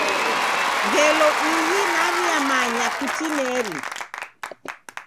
Ngelo ihi, naw'uyamanya kutinieri.